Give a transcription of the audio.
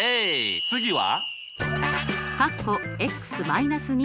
次は？